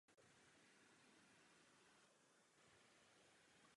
Funkce se vzdal pro pracovní vytížení.